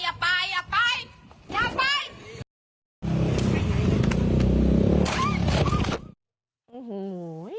อย่าไปอย่าไปอย่าไป